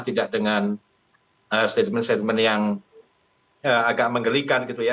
tidak dengan statement statement yang agak menggelikan gitu ya